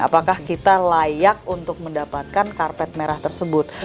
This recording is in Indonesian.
apakah kita layak untuk mendapatkan karpet merah tersebut